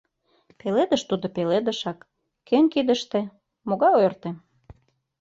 Пеледыш тудо пеледышак, кӧн кидыште — могай ойыртем?